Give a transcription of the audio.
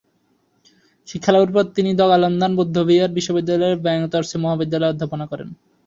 শিক্ষালাভের পর তিনি দ্গা'-ল্দান বৌদ্ধবিহার বিশ্ববিদ্যালয়ের ব্যাং-র্ত্সে মহাবিদ্যালয়ে অধ্যাপনা করেন।